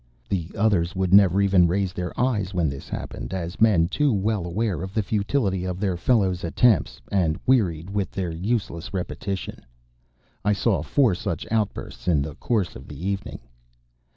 The others would never even raise their eyes when this happened, as men too well aware of the futility of their fellows' attempts and wearied with their useless repetition. I saw four such outbursts in the course of the evening.